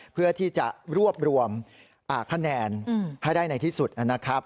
เพื่อที่จะรวบรวมคะแนนให้ได้ในที่สุดนะครับ